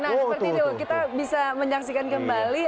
nah seperti itu kita bisa menyaksikan kembali